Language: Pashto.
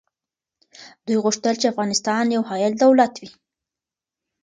دوی غوښتل چي افغانستان یو حایل دولت وي.